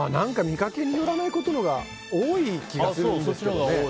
見かけによらないことのほうが多い気がするんですけどね。